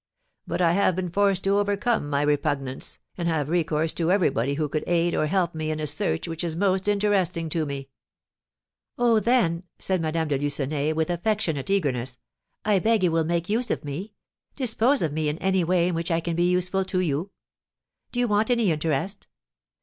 But I have been forced to overcome my repugnance, and have recourse to everybody who could aid or help me in a search which is most interesting to me." "Oh, then," said Madame de Lucenay, with affectionate eagerness, "I beg you will make use of me; dispose of me in any way in which I can be useful to you. Do you want any interest?